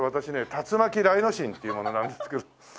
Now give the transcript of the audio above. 竜巻雷之進っていう者なんですけど。